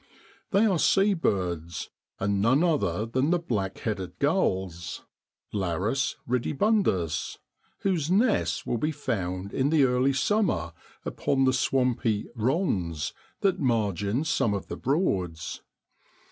They are seabirds, and none other than the black headed gulls (Larus ridibundus) whose nests will be found in the early summer upon the swampy 'ronds ' that margin some of the Broads.